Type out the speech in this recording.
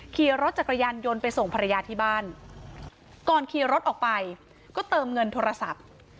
ขี่รถจักรยานยนต์ไปส่งภรรยาที่บ้านก่อนขี่รถออกไปก็เติมเงินโทรศัพท์